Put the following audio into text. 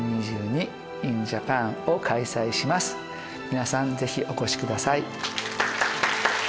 皆さんぜひお越しください。